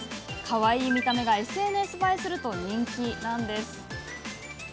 かわいい見た目がＳＮＳ映えすると人気です。